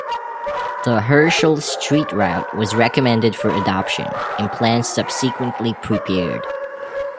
The Herschel Street route was recommended for adoption, and plans subsequently prepared.